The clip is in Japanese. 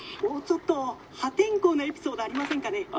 「もうちょっと破天荒なエピソードありませんかね？」。